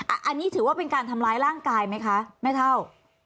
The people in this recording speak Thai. อันนี้ถือว่าเป็นการทำร้ายร่างกายไหมคะแม่เท่า